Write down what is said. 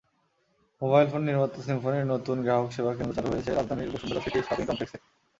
Mobile phone নির্মাতা সিম্ফনির নতুন গ্রাহকসেবাকেন্দ্র চালু হয়েছে রাজধানীর বসুন্ধরা সিটি শপিং কমপ্লেক্সে।